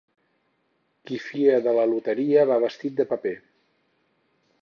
Qui fia de la loteria va vestit de paper.